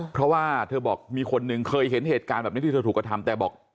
เพราะว่าเธอบอกมีคนหนึ่งเคยเห็นเหตุการณ์แบบนี้ที่เธอถูกกระทำแต่บอก